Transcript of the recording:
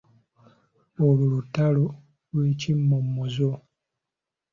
Olwo lutalo lw'ekimomozo.